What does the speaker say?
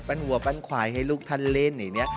วัวปั้นควายให้ลูกท่านเล่นอย่างนี้